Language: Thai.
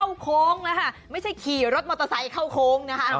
โค้งแล้วค่ะไม่ใช่ขี่รถมอเตอร์ไซค์เข้าโค้งนะคะ